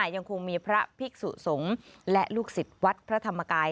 ยังคงมีพระภิกษุสงฆ์และลูกศิษย์วัดพระธรรมกาย